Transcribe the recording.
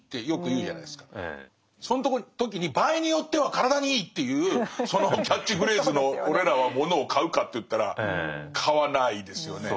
その時に「場合によっては体にいい」っていうそのキャッチフレーズの俺らはものを買うかといったら買わないですよね。